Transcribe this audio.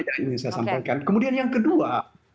yang ingin saya sampaikan kemudian yang kedua